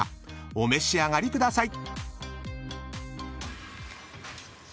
お召し上がりください］